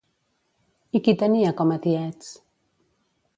I qui tenia com a tiets?